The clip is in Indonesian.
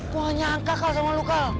gue gak nyangka kal sama lu kal